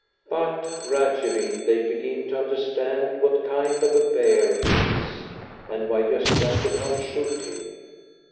But gradually they begin to understand what kind of a bear he is and why Gosta could not shoot him.